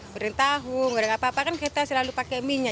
goreng tahu goreng apa apa kan kita selalu pakai minyak